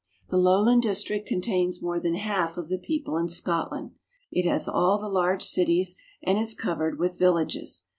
The lowland district contains more than half of the people in Scotland. It has all the large cities and is cov ered with villages.